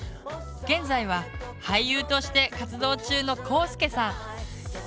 現在は俳優として活動中のこうすけさん。